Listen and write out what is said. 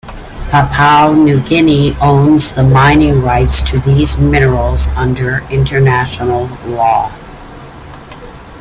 Papua New Guinea owns the mining rights to these minerals under international law.